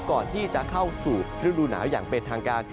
ก่อนที่จะเข้าสู่ฤดูหนาวอย่างเป็นทางการ